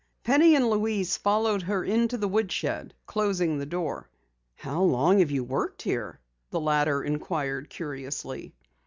Penny and Louise followed her into the woodshed, closing the door. "How long have you worked here?" the latter inquired curiously.